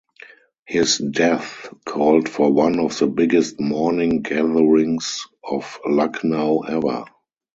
His death called for one of the biggest mourning gatherings of Lucknow ever.